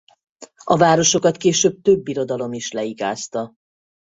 A városokat később több birodalom is leigázta.